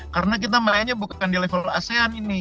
karena kita mainnya bukan di level asean ini